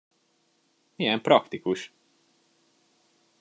Milyen praktikus!